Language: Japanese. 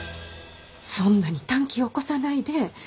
そんなに短気を起こさないで。